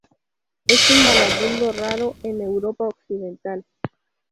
Es un vagabundo raro en Europa Occidental.